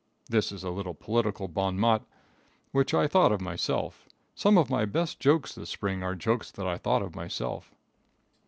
(This is a little political bon mot which I thought of myself. Some of my best jokes this spring are jokes that I thought of myself.)